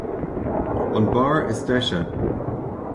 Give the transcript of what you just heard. An beár is deise.